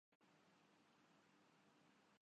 اس کا فیصلہ سب صوبوں کے نمائندوں کو مل کر نا ہے۔